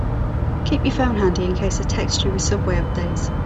Keep your phone handy in case I text you with subway updates.